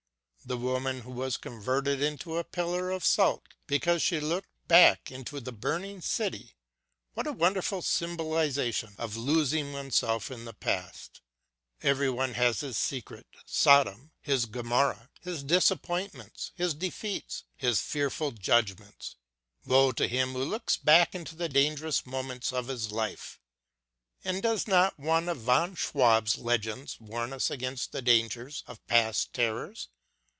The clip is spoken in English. The woman who was converted into a pillar of salt because she looked back into the burning city — what a wonderful symbolisation of losing oneself in the past ! Everyone has his secret Sodom, his Gomorrah, his disappointments, his defeats, his fearful judgments ! Woe to him who looks back into the dangerous moments of his life ! And does not one of von Schwab's legends warn us against the dangers of past terrors